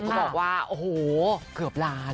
เขาบอกว่าโอ้โหเกือบล้าน